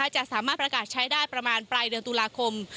จะสามารถประกาศใช้ได้ประมาณปลายเดือนตุลาคม